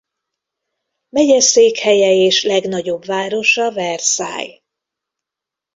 Megyeszékhelye és legnagyobb városa Versailles.